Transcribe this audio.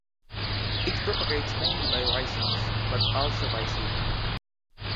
It propagates mainly by rhizomes, but also by seed.